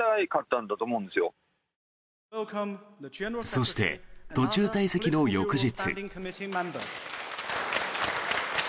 そして、途中退席の翌日。